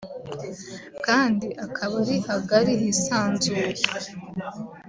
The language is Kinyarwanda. kandi akaba ari hagari hisanzuye